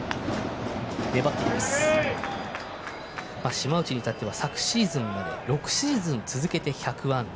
島内に至っては昨シーズンまで６シーズン続けて１００安打。